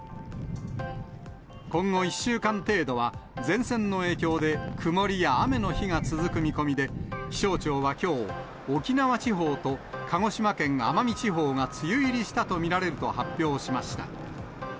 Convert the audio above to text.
今後１週間程度は、前線の影響で曇りや雨の日が続く見込みで、気象庁はきょう、沖縄地方と鹿児島県奄美地方が梅雨入りしたと見られると発表しました。